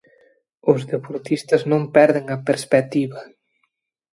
Os deportistas non perden a perspectiva.